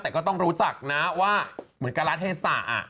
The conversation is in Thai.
แต่ก็ต้องรู้จักนะว่าเหมือนการรัฐเทศะ